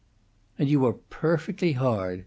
"And you are perfectly hard.